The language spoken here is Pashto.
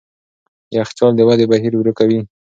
یخچال د ودې بهیر ورو کوي.